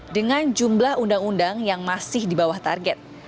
dengan jumlah undang undang yang masih di bawah target